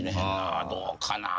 どうかな。